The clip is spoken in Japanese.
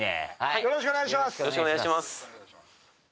よろしくお願いします。